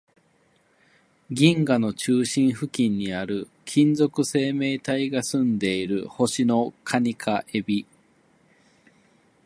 銀河の中心付近にある、金属生命体が住んでいる星の蟹か海老